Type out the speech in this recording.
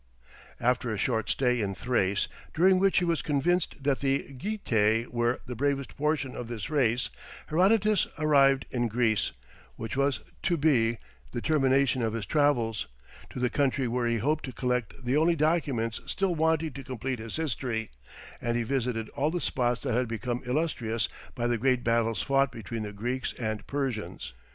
After a short stay in Thrace, during which he was convinced that the Getæ were the bravest portion of this race, Herodotus arrived in Greece, which was to be the termination of his travels, to the country where he hoped to collect the only documents still wanting to complete his history, and he visited all the spots that had become illustrious by the great battles fought between the Greeks and Persians.